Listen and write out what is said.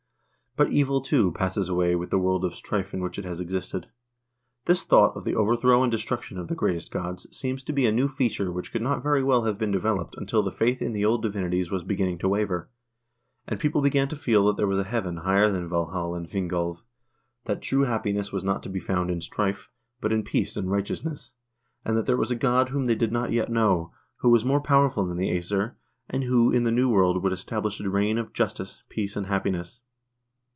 But evil, too, passes away with the world of strife in which it has existed. This thought of the overthrow and destruction of the greatest gods seems to be a new feature which could not very well have been de veloped until the faith in the old divinities was beginning to waver, and people began to feel that there was a heaven higher than Valhal and Vingolv, that true happiness was not to be found in strife, but in peace and righteousness, and that there was a god whom they did not yet know, who was more powerful than the vEsir, and who, in the new world, would establish a reign of justice, peace, and happiness.